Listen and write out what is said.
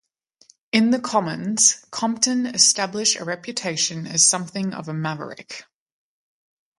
In the Commons, Compton established a reputation as something of a maverick.